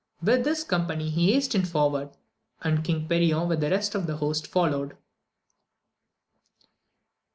With this company he hastened for ward, and King Perion with the rest of the host fol lowed.